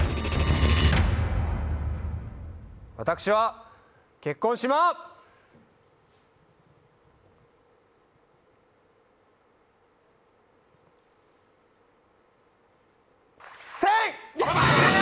私は結婚しません！